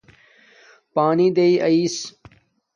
پانی دیݵ آیس